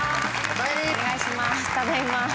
お願いします。